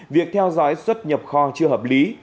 việc theo dõi xuất nhập kho chưa hợp lý